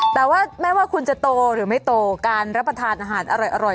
แต่ว่าไม่ว่าคุณจะโตหรือไม่โตการรับประทานอาหารอร่อย